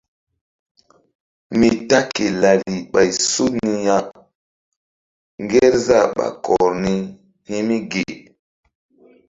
Mi ta ke lari ɓay so ni aŋay ya ngerzah ɓá kɔr ni hi̧ mi ge.